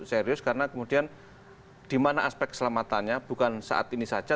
serius karena kemudian di mana aspek keselamatannya bukan saat ini saja